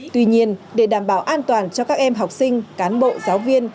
tuy nhiên để đảm bảo an toàn cho các em học sinh cán bộ giáo viên